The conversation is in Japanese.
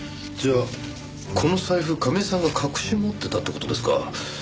じゃあこの財布亀井さんが隠し持ってたって事ですか。